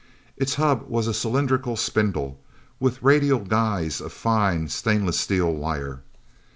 Its hub was a cylindrical spindle, with radial guys of fine, stainless steel wire.